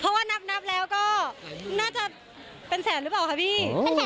เพราะว่านับแล้วก็น่าจะเป็นแสนหรือเปล่าคะพี่